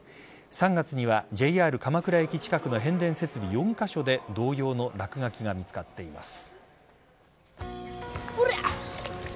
３月にはＪＲ鎌倉駅近くの変電設備４カ所で同様の落書きが見つかっています。